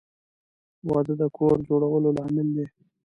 • واده د کور جوړولو لامل دی.